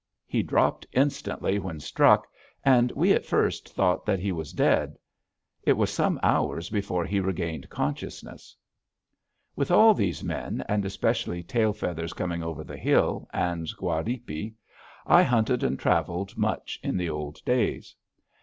He dropped instantly when struck, and we at first thought that he was dead. It was some hours before he regained consciousness. With all these men, and especially Tail Feathers Coming over the Hill and Guardipe, I hunted and traveled much in the old days.